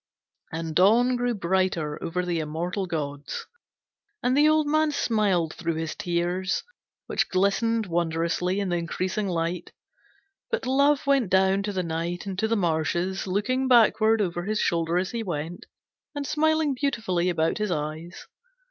And dawn grew brighter over the immortal gods, and the old man smiled through his tears, which glistened wondrously in the increasing light. But Love went down to the night and to the marshes, looking backward over his shoulder as he went, and smiling beautifully about his eyes.